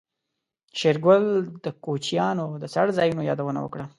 شېرګل د کوچيانو د څړځايونو يادونه وکړه.